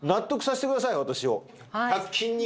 私を・